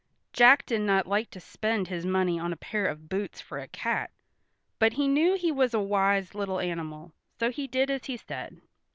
Jack did not like to spend his money on a pair of boots for a cat, but he knew he was a wise little animal, so he did as he said.